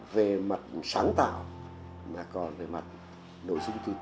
về mặt sáng tạo